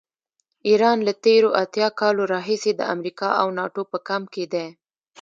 ایران له تېرو اتیا کالو راهیسې د امریکا او ناټو په کمپ کې دی.